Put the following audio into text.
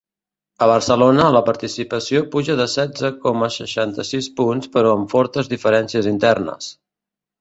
A Barcelona la participació puja de setze coma seixanta-sis punts però amb fortes diferències internes.